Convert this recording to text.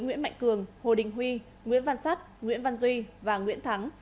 nguyễn mạnh cường hồ đình huy nguyễn văn sát nguyễn văn duy và nguyễn thắng